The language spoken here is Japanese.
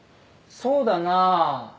そうだな。